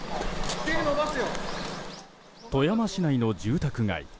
富山市内の住宅街。